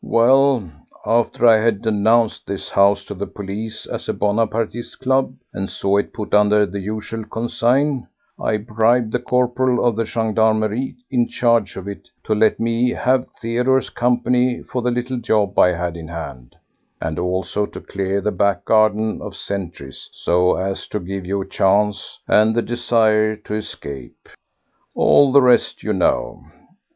Well, after I had denounced this house to the police as a Bonapartiste club, and saw it put under the usual consigne, I bribed the corporal of the gendarmerie in charge of it to let me have Theodore's company for the little job I had in hand, and also to clear the back garden of sentries so as to give you a chance and the desire to escape. All the rest you know.